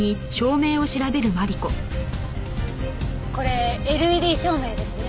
これＬＥＤ照明ですね。